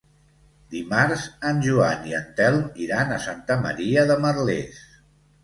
Dimarts en Joan i en Telm iran a Santa Maria de Merlès.